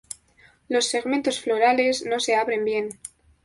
Los segmentos florales no se abren bien.